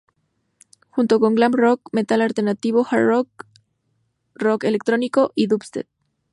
Junto con glam rock, metal alternativo, hard rock, rock electrónico y dubstep.